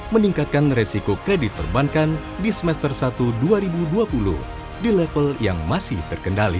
meningkatkan resiko kredit perbankan di semester satu dua ribu dua puluh di level yang masih terkendali